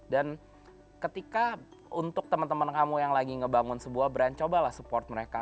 dan ketika untuk temen temen kamu yang lagi ngebangun sebuah brand cobalah support mereka